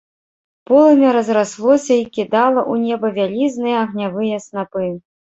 Полымя разраслося й кідала ў неба вялізныя агнявыя снапы.